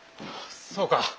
そうか。